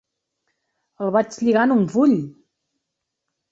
El vaig lligar en un full!